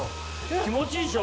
気持ちいいでしょ？